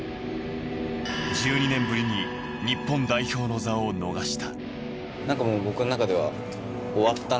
１２年ぶりに日本代表の座を逃した。